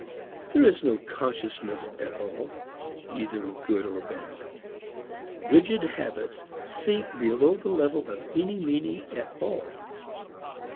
There is no consciousness at all, either of good or bad. Rigid habits sink below the level of any meaning at all.